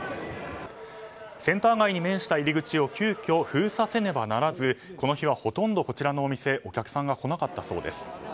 センター街に面した入り口を急きょ閉鎖せねばならずこの日はほとんどこちらのお店にはお客さんが来なかったそうです。